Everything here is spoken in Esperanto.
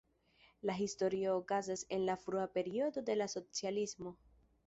La historio okazas en la frua periodo de la socialismo.